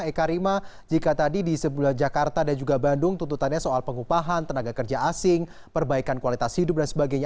eka rima jika tadi di sebelah jakarta dan juga bandung tuntutannya soal pengupahan tenaga kerja asing perbaikan kualitas hidup dan sebagainya